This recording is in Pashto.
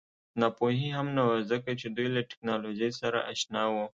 ناپوهي هم نه وه ځکه چې دوی له ټکنالوژۍ سره اشنا وو